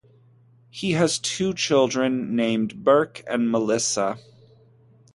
He has two children, named Berke and Melissa.